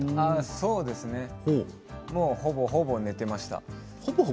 そうですねほぼほぼ、寝ていました。